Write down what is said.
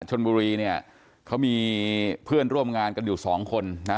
ชนบุรีเนี่ยเขามีเพื่อนร่วมงานกันอยู่สองคนนะ